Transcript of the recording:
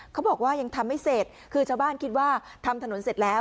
เขาบอกว่ายังทำไม่เสร็จคือชาวบ้านคิดว่าทำถนนเสร็จแล้ว